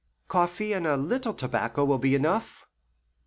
"Coffee and a little tobacco will be enough."